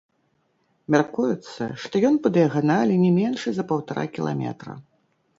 Мяркуецца, што ён па дыяганалі не меншы за паўтара кіламетра.